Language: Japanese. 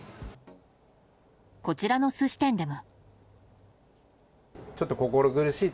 こちらの寿司店でも。